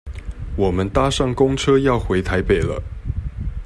我們搭上公車要回台北了